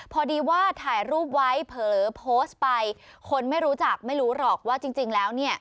พอดีว่าถ่ายรูปไว้เผลอโพสต์ไปคนไม่รู้จักไม่รู้หรอกว่าจริงแล้วเนี่ย